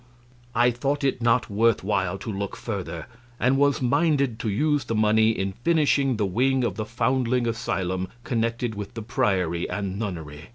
A. I thought it not worth while to look further, and was minded to use the money in finishing the wing of the foundling asylum connected with the priory and nunnery.